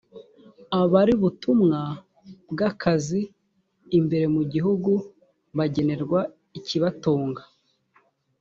abari butumwa bw akazi imbere mu gihugu bagenerwa ikibatunga